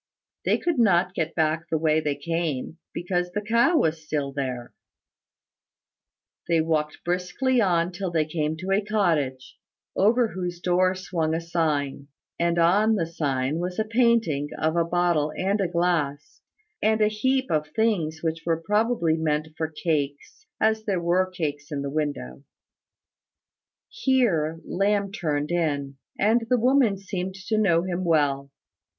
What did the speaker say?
They could not get back the way they came, because the cow was there still. He walked briskly on till they came to a cottage, over whose door swung a sign; and on the sign was a painting of a bottle and a glass, and a heap of things which were probably meant for cakes, as there were cakes in the window. Here Lamb turned in, and the woman seemed to know him well.